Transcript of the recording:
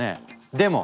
でも！